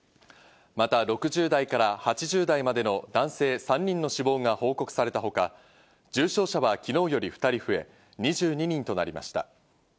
また、６０代から８０代までの男性３人の死亡が報告されたほか、重症者はきのうより２人増え、２２人となりました。